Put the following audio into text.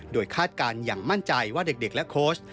โดยคาดการณ์อย่างมั่นใจว่าเด็กและโค้ช